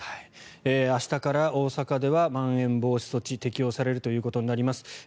明日から大阪ではまん延防止措置が適用されるということになります。